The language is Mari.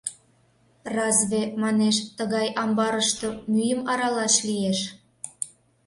Разве, манеш, тыгай амбарыште мӱйым аралаш лиеш?